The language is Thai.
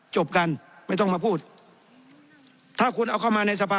จบกันไม่ต้องมาพูดถ้าคุณเอาเข้ามาในสภา